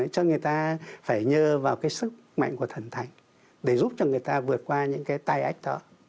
cho người ta phải nhờ vào cái sức mạnh của thần thánh để giúp cho người ta vượt qua những cái tai ách đó